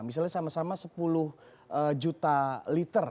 misalnya sama sama sepuluh juta liter